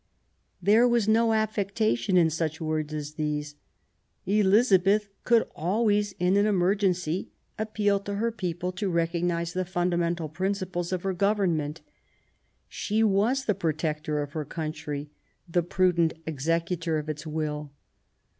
There was no affectation in such words as these. Elizabeth could always, in an emergency, appeal to her people to recognise the fundamental principles of her government. She was the protector of her country, the prudent executor of its will.